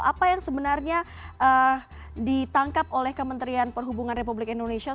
apa yang sebenarnya ditangkap oleh kementerian perhubungan republik indonesia